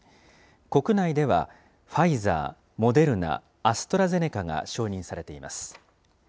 国内では、ファイザー、モデルナ、アストラゼネカが承認されています。